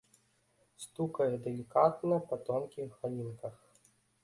Стукае далікатна па тонкіх галінках.